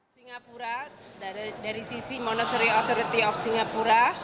singapura dari sisi monetary authority of singapura